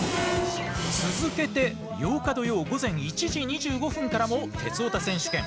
続けて８日土曜午前１時２５分からも「鉄オタ選手権」。